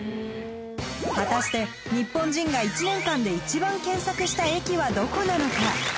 果たしてニッポン人が１年間で一番検索した駅はどこなのか？